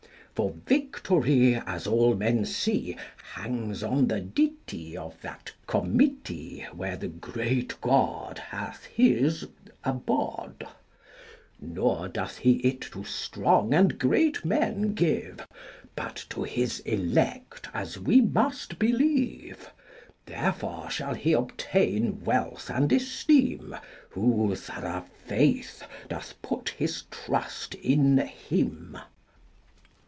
For victory, As all men see, Hangs on the ditty Of that committee Where the great God Hath his abode. Nor doth he it to strong and great men give, But to his elect, as we must believe; Therefore shall he obtain wealth and esteem, Who thorough faith doth put his trust in him.